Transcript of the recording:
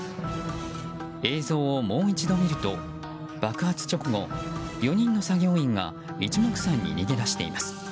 映像をもう一度見ると爆発直後、４人の作業員が一目散に逃げ出しています。